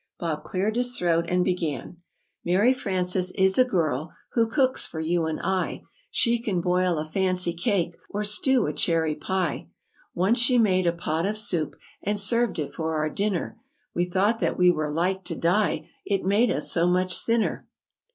Bob cleared his throat and began: "Mary Frances is a girl Who cooks for you and I; She can boil a fancy cake Or stew a cherry pie. "Once she made a pot of soup And served it for our dinner; We thought that we were like to die, It made us so much thinner."